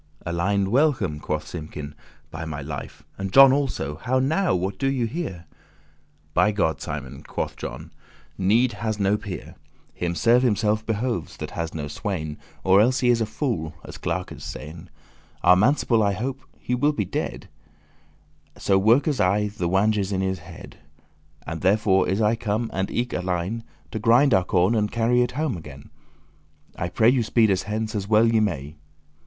"Alein, welcome," quoth Simkin, "by my life, And John also: how now, what do ye here?" "By God, Simon," quoth John, "need has no peer*. *equal Him serve himself behoves that has no swain*, *servant Or else he is a fool, as clerkes sayn. Our manciple I hope* he will be dead, *expect So workes aye the wanges* in his head: *cheek teeth <8> And therefore is I come, and eke Alein, To grind our corn and carry it home again: I pray you speed us hence as well ye may."